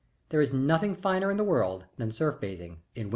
There is nothing finer in the world than surf bathing in winter.